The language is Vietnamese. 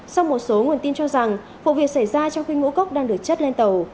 sau một số nguồn tin cho rằng vụ việc xảy ra trong khi ngũ cốc đang được chất lên tàu